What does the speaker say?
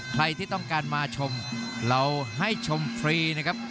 ใครที่ต้องการมาชมเราให้ชมฟรีนะครับ